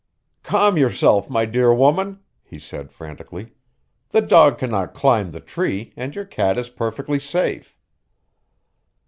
"Calm yourself my dear woman," he said frantically. "The dog cannot climb the tree and your cat is perfectly safe."